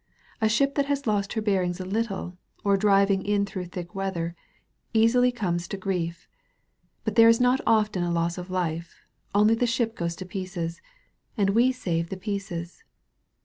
A ship that has lost her bearings a little, or is driving in through thick weather, easily comes to grief. But there is not often a loss of life, only the ship goes to pieces. And we save the pieces."